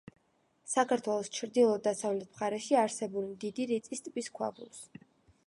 საქართველოს ჩრდილო-დასავლეთ მხარეში არსებული დიდი რიწის ტბის ქვაბულს.